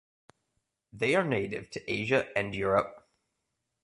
They are native to Asia and Europe.